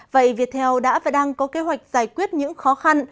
vậy việt theo đã và đang có kế hoạch giải quyết những khó khăn